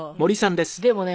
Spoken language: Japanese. でもね